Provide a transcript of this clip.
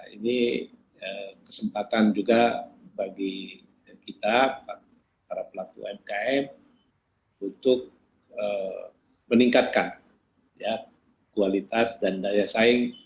ini kesempatan juga bagi kita para pelaku umkm untuk meningkatkan kualitas dan daya saing